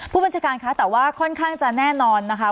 ผู้บัญชาการคะแต่ว่าค่อนข้างจะแน่นอนนะคะ